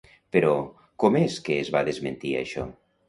Però, com és que es va desmentir, això?